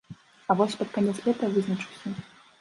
А вось пад канец лета вызначуся.